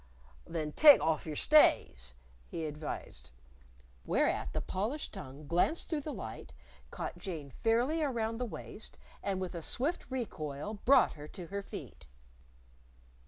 "Then take off your stays," he advised. Whereat the polished tongue glanced through the light, caught Jane fairly around the waist, and with a swift recoil brought her to her feet!